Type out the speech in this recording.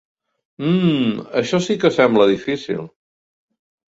Mmm, això sí que sembla difícil.